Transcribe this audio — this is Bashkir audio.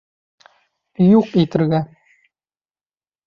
Юҡ итергә!